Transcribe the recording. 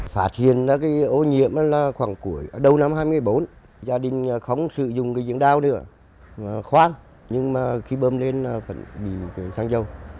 phát hiện ô nhiễm là khoảng cuối đầu năm hai nghìn hai mươi bốn gia đình không sử dụng cái diếng đào nữa khoát nhưng mà khi bơm lên là bị xăng dầu